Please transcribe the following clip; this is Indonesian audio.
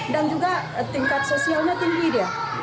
dan juga tingkat sosialnya tinggi dia